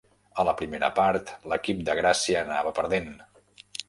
A la primera part, l'equip de Gràcia anava perdent.